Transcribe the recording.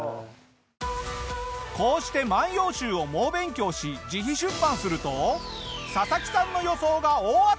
こうして『万葉集』を猛勉強し自費出版するとササキさんの予想が大当たり！